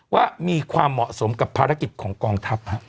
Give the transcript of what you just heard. ว่ามีความเหมาะสมกับภารกิจของกองทัพ